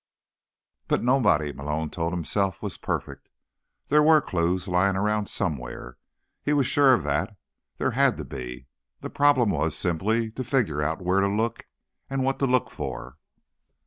But nobody, Malone told himself, was perfect. There were clues lying around somewhere, he was sure of that; there had to be. The problem was, simply, to figure out where to look, and what to look for.